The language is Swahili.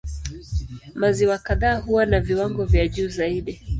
Maziwa kadhaa huwa na viwango vya juu zaidi.